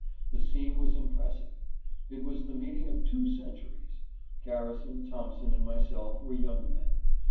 The scene was impressive. It was the meeting of two centuries. Garrison, Thompson, and myself were young men.